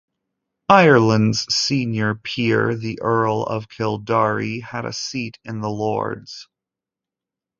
Ireland's senior peer, the Earl of Kildare, had a seat in the Lords.